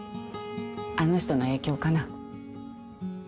あの人の影響かな。